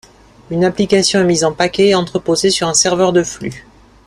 Une application est mise en paquets et entreposée sur un serveur de flux.